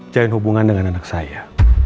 jalin hubungan dengan anak saya